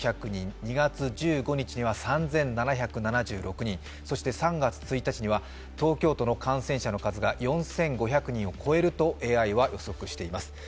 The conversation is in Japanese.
２月１５日は３７７６人、そして３月１日には東京都の感染者の数が４５００人を超えるとＡＩは予測しています。